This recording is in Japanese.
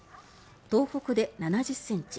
東北で７０ｃｍ